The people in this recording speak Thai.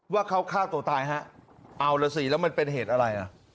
ว่าเขาฆ่าตัวตายฮะเอาล่ะสิแล้วมันเป็นเหตุอะไรอ่ะ